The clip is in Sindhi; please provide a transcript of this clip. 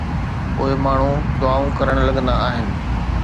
پوءِ ماڻهو دعائون ڪرڻ لڳندا آهن.